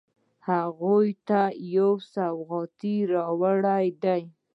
هغې ما ته یو سوغات راوړی ده